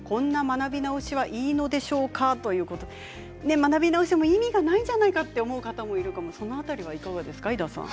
学び直しても意味がないんじゃないかと思う方もいるかもしれませんいかがですか？